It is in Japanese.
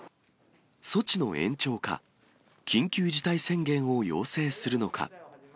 措置の延長か、緊急事態宣言を要請するのか。